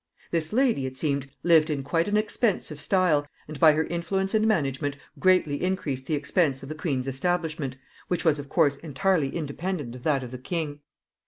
This lady, it seemed, lived in quite an expensive style, and by her influence and management greatly increased the expense of the queen's establishment, which was, of course, entirely independent of that of the king.